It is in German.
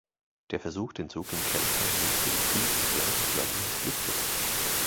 Der Versuch, den Zug in Kelkheim-Münster gezielt entgleisen zu lassen, missglückte.